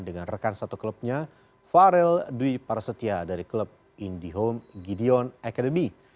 dengan rekan satu klubnya farel dwi parasetia dari klub indihome gideon academy